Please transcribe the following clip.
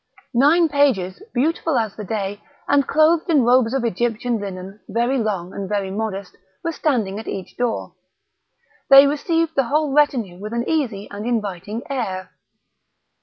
Nine pages, beautiful as the day, and clothed in robes of Egyptian linen, very long and very modest, were standing at each door. They received the whole retinue with an easy and inviting air.